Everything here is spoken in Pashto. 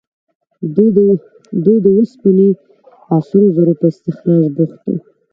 دوی د اوسپنې او سرو زرو په استخراج بوخت وو.